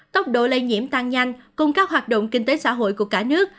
tốc độ lây nhiễm tăng nhanh cung cấp hoạt động kinh tế xã hội của cả nước